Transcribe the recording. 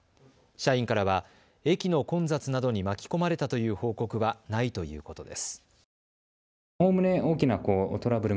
社員からは駅の混雑などに巻き込まれたという報告はないということです。